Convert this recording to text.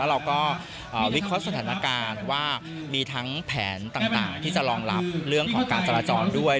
เราก็วิเคราะห์สถานการณ์ว่ามีทั้งแผนต่างที่จะรองรับเรื่องของการจราจรด้วย